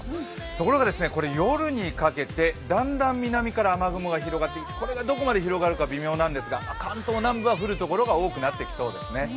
ところが夜にかけてだんだん南から雨雲が広がって、これがどこまで広がるか微妙ですが関東南部は降るところが多くなってきそうですね。